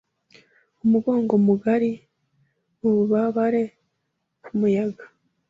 Umugongo Mugari mububabare Ku muyaga